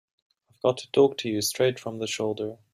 I've got to talk to you straight from the shoulder.